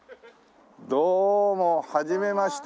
どうもはじめまして。